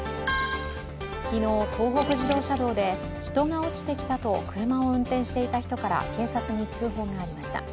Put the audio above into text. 昨日、東北自動車道で人が落ちてきたと車を運転していた人から警察に通報がありました。